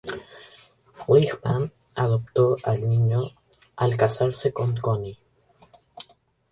Lehmann adoptó al niño al casarse con Conny.